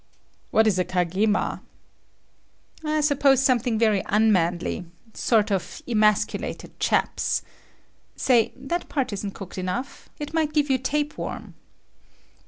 "What is a kagema?" "I suppose something very unmanly,—sort of emasculated chaps. Say, that part isn't cooked enough. It might give you tape worm."